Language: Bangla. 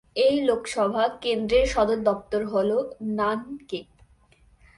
এই লোকসভা কেন্দ্রের সদর দপ্তর হল নানকেক।